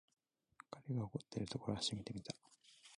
彼が怒ってるところ初めて見た